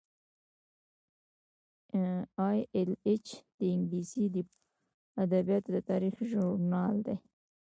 ای ایل ایچ د انګلیسي ادبیاتو د تاریخ ژورنال دی.